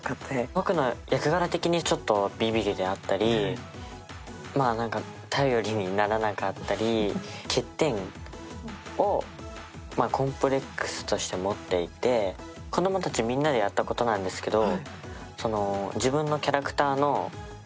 僕の役柄的にビビリであったり、頼りにならなかったり、欠点をコンプレックスとして持っていて子どもたちみんなでやったことなんですけど。